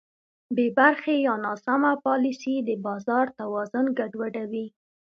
بېبرخې یا ناسمه پالیسي د بازار توازن ګډوډوي.